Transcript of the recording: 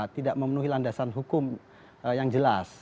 tidak memenuhi landasan hukum yang jelas